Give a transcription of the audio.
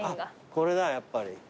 これだやっぱり。